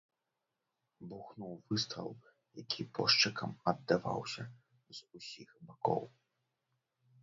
Бухнуў выстрал, які пошчакам аддаваўся з усіх бакоў.